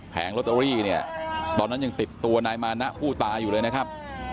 ลอตเตอรี่เนี่ยตอนนั้นยังติดตัวนายมานะผู้ตายอยู่เลยนะครับ